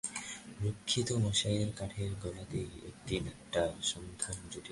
রক্ষিত মহাশয়ের কাঠের গোলাতেই একদিন একটা সন্ধান জুটিল।